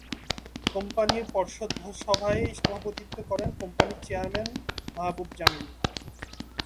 কোম্পানির পর্ষদ সভায় সভাপতিত্ব করেন কোম্পানির চেয়ারম্যান মাহ্বুব জামিল।